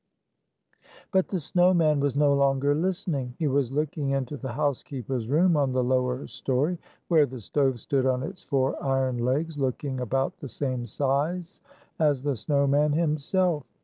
But the snow man was no longer listening. He was looking into the housekeeper's room on 209 the lower story, where the stove stood on its four iron legs, looking about the same size as the snow man himself.